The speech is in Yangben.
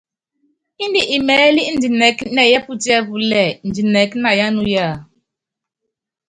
Indɛ́ imɛ́ɛlɛ́ indinɛ́k nɛ yɛ́pútíɛ́púlɛ́ indinɛ́k na yá nuyá ?